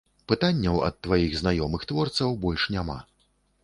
Пытанняў ад тваіх знаёмых-творцаў больш няма.